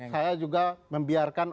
saya juga membiarkan